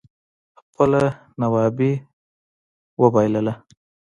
خپله نوابي اوبائلله